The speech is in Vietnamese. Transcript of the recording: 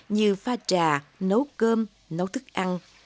như pha trà nấu cơm nấu thức ăn